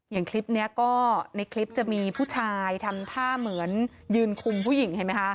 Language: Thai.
อย่างคลิปนี้ก็ในคลิปจะมีผู้ชายทำท่าเหมือนยืนคุมผู้หญิงเห็นไหมคะ